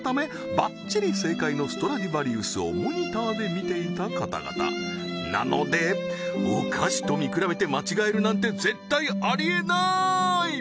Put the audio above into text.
バッチリ正解のストラディヴァリウスをモニターで見ていた方々なのでお菓子と見比べて間違えるなんて絶対ありえなーい！